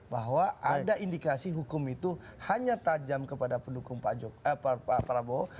bahwa ada indikasi hukum itu hanya tajam kepada pendukung pak prabowo